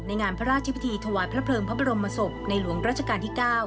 งานพระราชพิธีถวายพระเพลิงพระบรมศพในหลวงราชการที่๙